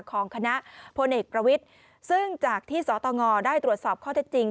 ของคณะพลเอกประวิทย์ซึ่งจากที่สตงได้ตรวจสอบข้อเท็จจริง